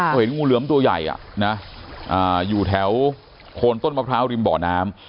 เขาเห็นงูเหลือมตัวใหญ่อยู่แถวโคนต้นมะพร้าวริมบ่อน้ำ